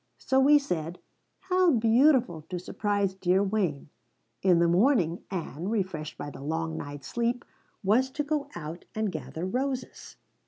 So we said, 'How beautiful to surprise dear Wayne.' In the morning Ann, refreshed by the long night's sleep, was to go out and gather roses.